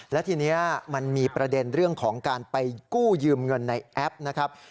และทีนี้มันมีประเด็นเรื่องของการไปกู้ยืมเงินในแอปนะครับ